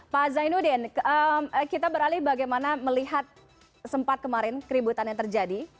pak zainuddin kita beralih bagaimana melihat sempat kemarin keributan yang terjadi